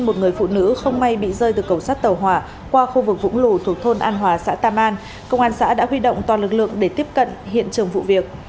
một người phụ nữ không may bị rơi từ cầu sát tàu hỏa qua khu vực vũng lù thuộc thôn an hòa xã tam man công an xã đã huy động toàn lực lượng để tiếp cận hiện trường vụ việc